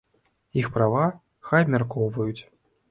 Іх права, хай абмяркоўваюць.